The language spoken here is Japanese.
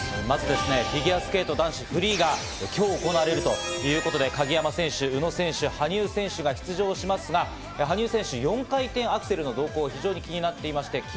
まず、フィギアスケート男子フリーが今日行われるということで鍵山選手、宇野選手、羽生選手が出場しますが、羽生選手、４回転アクセルの動向が気になっていまして。